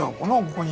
ここに。